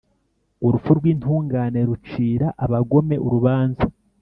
Urupfu rw’intungane rucira abagome urubanza,